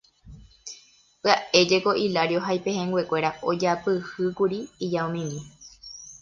Pya'e jeko Hilario ha ipehẽnguekuéra ojapyhýkuri ijaomimi.